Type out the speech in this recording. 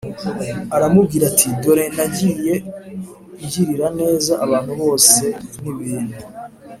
aramubwira ati Dore nagiye ngirira neza abantu bose n ibintu